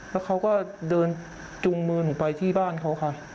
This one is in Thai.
แล้วเขาก็เดินจุงมือหนูไปที่บ้านเขาค่ะ